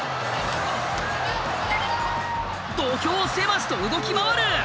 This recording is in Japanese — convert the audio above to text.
土俵狭しと動き回る！